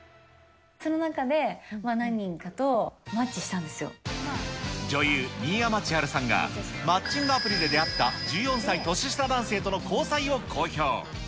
その中で何人かとマッチした女優、新山千春さんが、マッチングアプリで出会った１４歳年下男性との交際を公表。